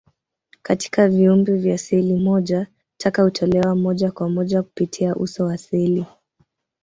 Katika viumbe vya seli moja, taka hutolewa moja kwa moja kupitia uso wa seli.